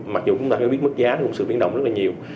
mặc dù chúng ta biết mức giá cũng sự biến động rất nhiều